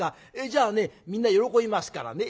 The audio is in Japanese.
じゃあねみんな喜びますからね。